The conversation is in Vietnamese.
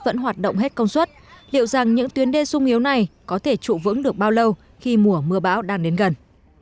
vẫn hoạt động hết công suất liệu rằng những tuyến đê sung yếu này có thể trụ vững được bao lâu khi mùa mưa bão đang đến gần